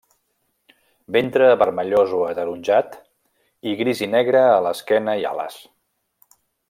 Ventre vermellós o ataronjat i gris i negre a l'esquena i ales.